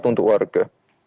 itu untuk warga